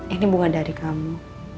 ini bunga dari kamu